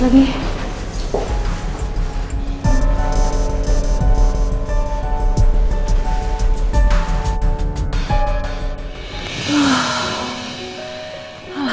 alhamdulillah akhirnya masaknya selesai juga